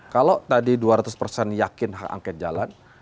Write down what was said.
kalau tadi dua ratus persen yakin hak angket jalan